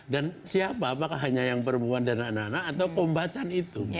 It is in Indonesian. siapa apakah hanya yang perempuan dan anak anak atau kombatan itu